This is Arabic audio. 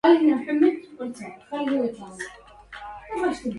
عذلوني وأنكروا أخلاقي